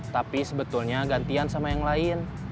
tapi sebetulnya gantian sama yang lain